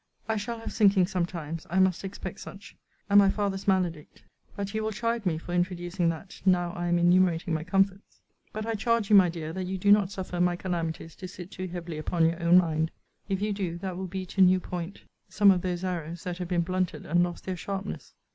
I shall have sinkings sometimes. I must expect such. And my father's maledict But you will chide me for introducing that, now I am enumerating my comforts. But I charge you, my dear, that you do not suffer my calamities to sit too heavily upon your own mind. If you do, that will be to new point some of those arrows that have been blunted and lost their sharpness.